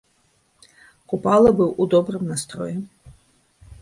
Купала быў у добрым настроі.